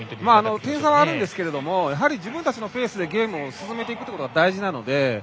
点差はあるんですけれどもやはり、自分たちのペースでゲームを進めていくことが大事なので。